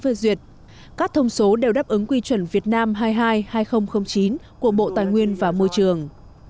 phê duyệt các thông số đều đáp ứng quy chuẩn việt nam hai mươi hai hai nghìn chín của bộ tài nguyên và môi trường